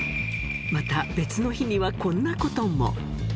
また、別の日にはこんなことも。